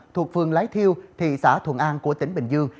thuộc phương lái thiêu thị xã thuận an của tỉnh bình dương